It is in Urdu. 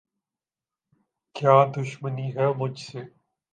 کیا دشمنی ہے مجھ سے؟